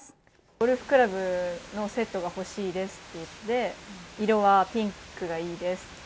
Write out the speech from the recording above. ゴルフクラブのセットが欲しいですって言って、色はピンクがいいですって。